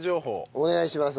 お願いします